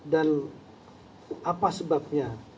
dan apa sebabnya